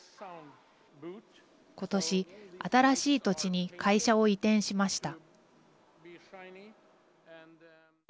今年、新しい土地に会社を移転しました。